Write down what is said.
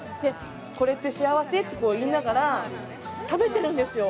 これって幸せ？って言いながら食べてるんですよ。